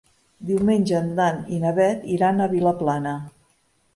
Diumenge en Dan i na Bet iran a Vilaplana.